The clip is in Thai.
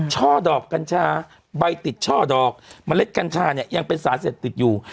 ช่อดอกกัญชาใบติดช่อดอกเมล็ดกัญชาเนี่ยยังเป็นสารเสพติดอยู่